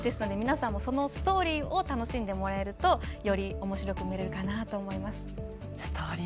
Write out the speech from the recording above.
皆さんもそのストーリーを楽しんでもらえるとよりおもしろく見れるかなと思います。